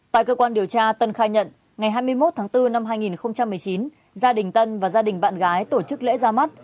tại cơ quan điều tra tân khai nhận ngày hai mươi một tháng bốn năm hai nghìn một mươi chín gia đình tân và gia đình bạn gái tổ chức lễ ra mắt